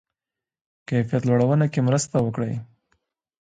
کیفیت لوړونه کې مرسته وکړي.